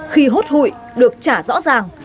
khi hốt hội được trả rõ ràng